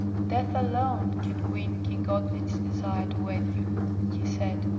'Death alone can wean King Otnit's desire to wed you,' he said.